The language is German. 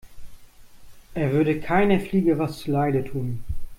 Er würde keiner Fliege was zu Leide tun.